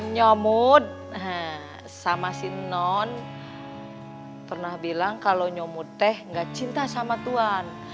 nyomud sama si non pernah bilang kalau nyomud teh gak cinta sama tuhan